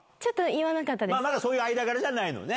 まだそういう間柄じゃないのね。